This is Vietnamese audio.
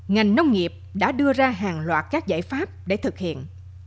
ngành nông nghiệp đã đưa ra hàng loạt các giải pháp để thực hiện